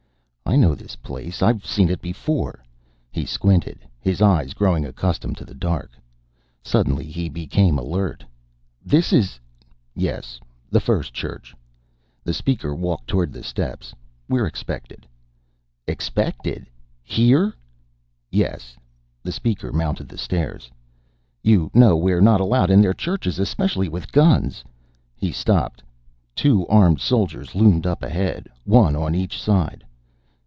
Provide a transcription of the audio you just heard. "I know this place. I've seen it before." He squinted, his eyes growing accustomed to the dark. Suddenly he became alert. "This is " "Yes. The First Church." The Speaker walked toward the steps. "We're expected." "Expected? Here?" "Yes." The Speaker mounted the stairs. "You know we're not allowed in their Churches, especially with guns!" He stopped. Two armed soldiers loomed up ahead, one on each side.